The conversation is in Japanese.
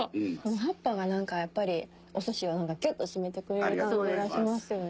葉っぱがやっぱりおすしはキュっと締めてくれる感じがしますよね。